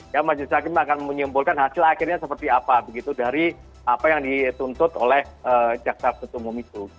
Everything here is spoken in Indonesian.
ya majelis hakim akan menyimpulkan hasil akhirnya seperti apa begitu dari apa yang dituntut oleh jaksa penutumum itu